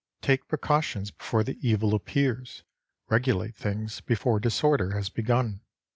Take pre cautions before the evil appears ; regulate things before disorder has begun.